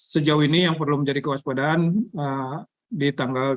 sejauh ini yang perlu menjadi kewaspadaan di tanggal dua puluh